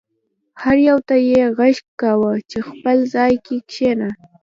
هر یو ته یې غږ کاوه چې خپل ځای کې کښېنه.